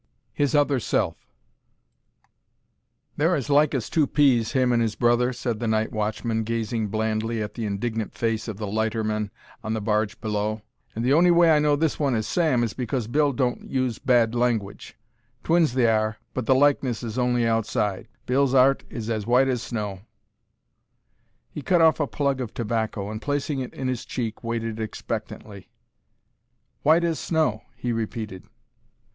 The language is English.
HIS OTHER SELF They're as like as two peas, him and 'is brother," said the night watchman, gazing blandly at the indignant face of the lighterman on the barge below; "and the on'y way I know this one is Sam is because Bill don't use bad langwidge. Twins they are, but the likeness is only outside; Bill's 'art is as white as snow." He cut off a plug of tobacco, and, placing it in his cheek, waited expectantly. "White as snow," he repeated.